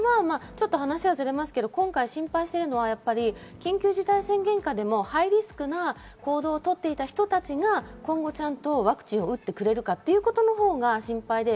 今回心配しているのは、緊急事態宣言下でもハイリスクな行動をとっていた人たちが今後ちゃんとワクチンを打ってくれるかということのほうが心配です。